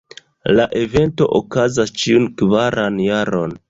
La evento okazas ĉiun kvaran jaron.